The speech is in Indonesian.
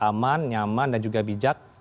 aman nyaman dan juga bijak